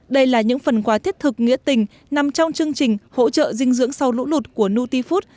đây là những phần quà thiết thực nghĩa tình nằm trong chương trình hỗ trợ dinh dưỡng sau lũ lụt của nutifood